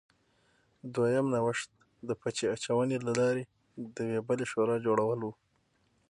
دویم نوښت د پچه اچونې له لارې د یوې بلې شورا جوړول و